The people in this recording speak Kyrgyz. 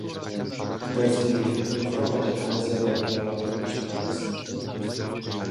Бразилия, Европа жана Азияда окуяларды уюштурабыз.